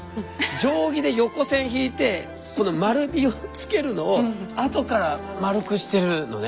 定規で横線引いてこの丸みを付けるのを後から丸くしてるのね。